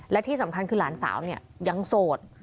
และที่สำคัญคือหลานสาวเนี่ยยังโสด